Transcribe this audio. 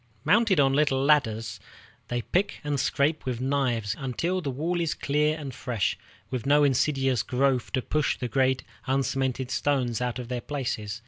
Mounted on little ladders, they pick and scrape with knives until the wall is clear and fresh, with no insidious growth to push the great uncemented stones out of their places.